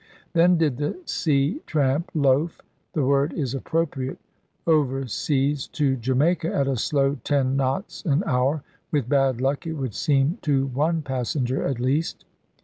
Then did the sea tramp loaf the word is appropriate over seas to Jamaica at a slow ten knots an hour; with bad luck it would seem to one passenger, at least.